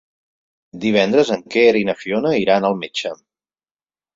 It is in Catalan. Divendres en Quer i na Fiona iran al metge.